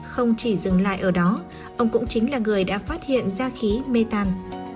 không chỉ dừng lại ở đó ông cũng chính là người đã phát hiện ra khí mê tan